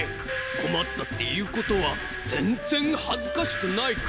こまったっていうことはぜんぜんはずかしくないクマ。